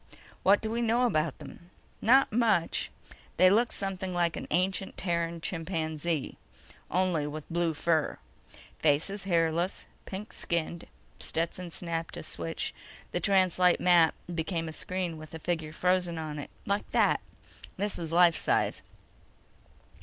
"What do we know about them?" "Not much. They look something like an ancient Terran chimpanzee ... only with blue fur. Face is hairless, pink skinned." Stetson snapped a switch. The translite map became a screen with a figure frozen on it. "Like that. This is life size."